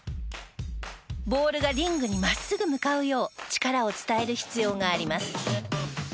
ボールがリングに真っすぐ向かうよう力を伝える必要があります。